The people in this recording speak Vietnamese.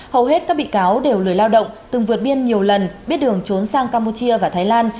hầu hết các bị cáo đều lười lao động từng vượt biên nhiều lần biết đường trốn sang campuchia và thái lan